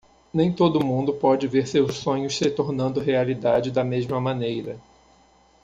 Nem todo mundo pode ver seus sonhos se tornando realidade da mesma maneira.